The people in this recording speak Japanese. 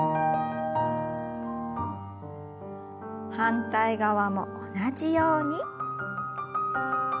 反対側も同じように。